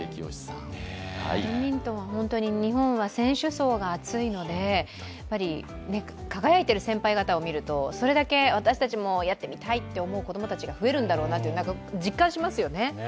バドミントンは本当に日本は選手層が厚いので輝いている先輩方を見るとそれだけ私たちもやってみたいと思う子供たちが増えるんだろうなと、なんか実感しますよね。